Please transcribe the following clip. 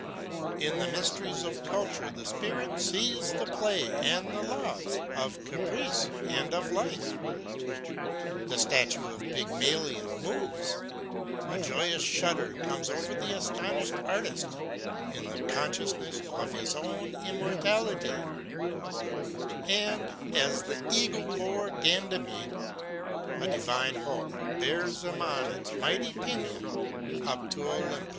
In the mysteries of culture the spirit sees the play and the laws of caprice and of life. The statue of Pygmalion moves; a joyous shudder comes over the astonished artist in the consciousness of his own immortality, and, as the eagle bore Ganymede, a divine hope bears him on its mighty pinion up to Olympus.